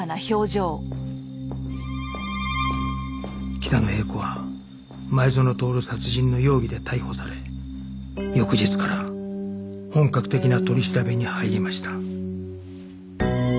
北野英子は前園徹殺人の容疑で逮捕され翌日から本格的な取り調べに入りました